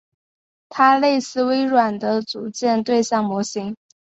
它类似微软的组件对象模型。